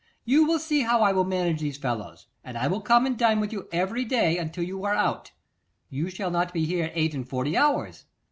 You will see how I will manage these fellows, and I will come and dine with you every day until you are out: you shall not be here eight and forty hours.